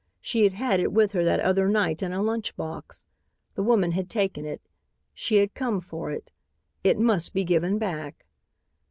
She had had it with her that other night in a lunch box. The woman had taken it. She had come for it. It must be given back.